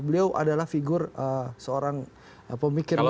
beliau adalah figur seorang pemikir modenat